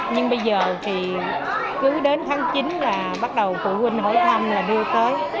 nhưng bây giờ thì cứ đến tháng chín là bắt đầu phụ huynh hỏi thăm là đưa tới